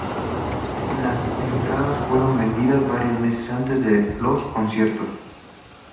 Las entradas fueron vendidas varios meses antes de los conciertos.